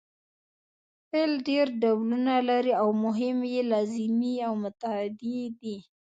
فعل ډېر ډولونه لري او مهم یې لازمي او متعدي دي.